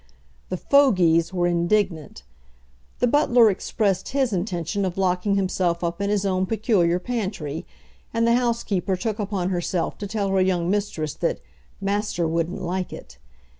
The "fogies" were indignant. The butler expressed his intention of locking himself up in his own peculiar pantry, and the housekeeper took upon herself to tell her young mistress that "Master wouldn't like it."